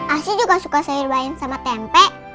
asyik juga suka sayur bayam sama tempe